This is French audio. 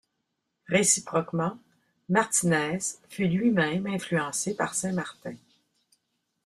Réciproquement, Martinès fut lui-même influencé par Saint-Martin.